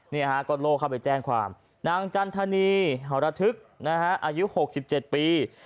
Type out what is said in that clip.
เนี้ยฮะกรณโลเขาไปแจ้งความนางจันทนีทนะคะอายุหกสิบเจ็ดปี